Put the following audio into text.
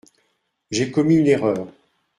J’ai commis une erreur.